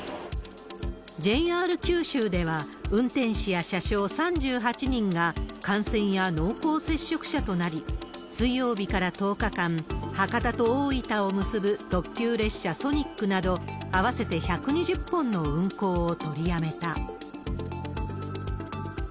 ＪＲ九州では、運転士や車掌３８人が、感染や濃厚接触者となり、水曜日から１０日間、博多と大分を結ぶ特急列車、ソニックなど、合わせて１２０本の運行を取りやめた。